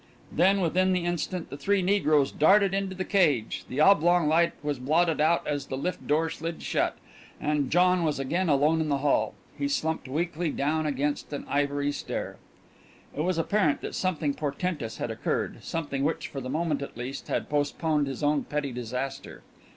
Then, within the instant, the three negroes darted into the cage, the oblong of light was blotted out as the lift door slid shut, and John was again alone in the hall. He slumped weakly down against an ivory stair. It was apparent that something portentous had occurred, something which, for the moment at least, had postponed his own petty disaster.